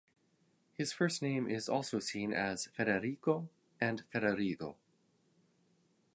His first name is also seen as "Federico" and "Federigo".